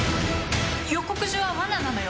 予告状は罠なのよ。